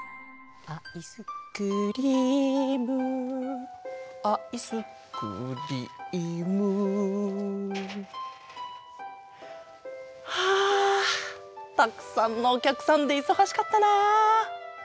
「アイスクリームアイスクリーム」はあたくさんのおきゃくさんでいそがしかったな。